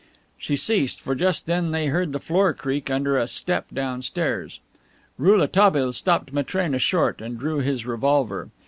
She ceased, for just then they heard the floor creak under a step downstairs. Rouletabille stopped Matrena short and drew his revolver.